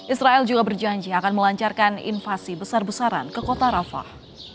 israel juga berjanji akan melancarkan invasi besar besaran ke kota rafah